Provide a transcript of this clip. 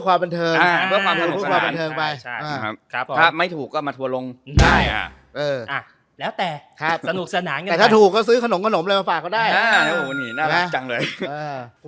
แต่ถ้าถูกก็ซื้อขนมเลยมาฝากก็ได้อ้าวนี่น่ารักจังเลยอ่า